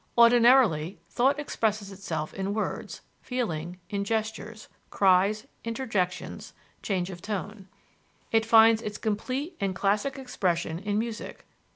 Ordinarily, thought expresses itself in words; feeling, in gestures, cries, interjections, change of tone: it finds its complete and classic expression in music.